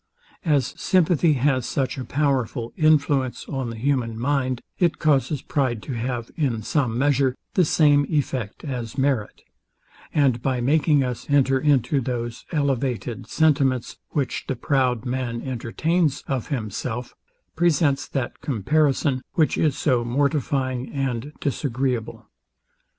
As sympathy has such a powerful influence on the human mind, it causes pride to have, in some measure, the same effect as merit; and by making us enter into those elevated sentiments, which the proud man entertains of himself, presents that comparison, which is so mortifying and disagreeable.